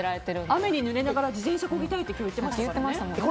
雨にぬれながら自転車こぎたいって言ってましたもんね。